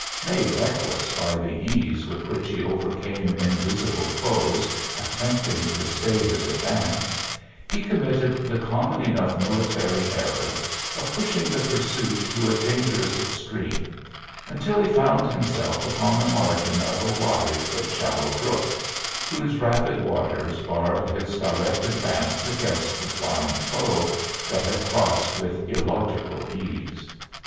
Made reckless by the ease with which he overcame invisible foes attempting to stay his advance, he committed the common enough military error of pushing the pursuit to a dangerous extreme, until he found himself upon the margin of a wide but shallow brook, whose rapid waters barred his direct advance against the flying foe that had crossed with illogical ease.